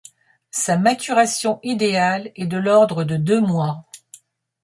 Sa maturation idéale est de l'ordre de deux mois.